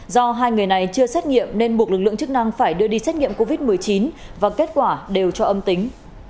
do hai người này chưa xét nghiệm nên buộc lực lượng chức năng phải đưa đi xét nghiệm covid một mươi chín và kết quả đều cho âm tính